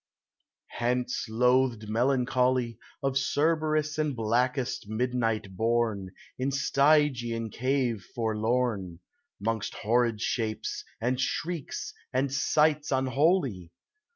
Hence, loathed Melancholy, Of Cerberus and blackest Midnight born, In Stygian cave forlorn, 'Mongst horrid shapes, and shrieks, and sights un holy